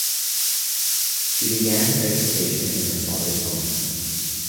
She began her education in her father's home.